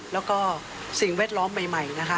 แล้วก็สิ่งเวลาใหม่